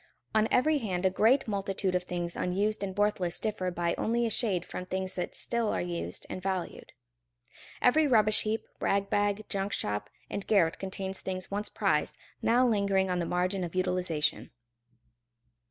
On every hand a great multitude of things unused and worthless differ by only a shade from things that still are used and valued. Every rubbish heap, rag bag, junk shop, and garret contains things once prized, now lingering on the margin of utilization.